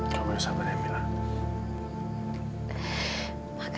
kamu bersama dengan mila